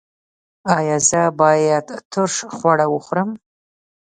ایا زه باید ترش خواړه وخورم؟